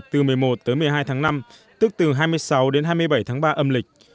từ một mươi một tới một mươi hai tháng năm tức từ hai mươi sáu đến hai mươi bảy tháng ba âm lịch